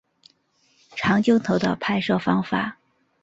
长镜头的拍摄方法。